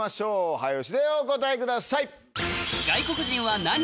早押しでお答えください。